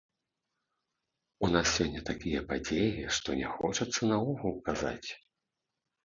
У нас сёння такія падзеі, што не хочацца наогул казаць.